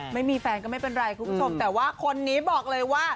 ไม่มีแฟนก็ไม่เป็นไรคุณผู้ชมแต่ว่าคนนี้บอกเลยว่า